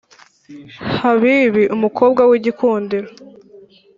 habibi umukobwa wigikundiro